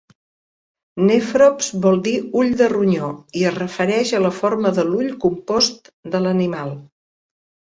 "Nephrops" vol dir "ull de ronyó" i es refereix a la forma de l'ull compost de l'animal.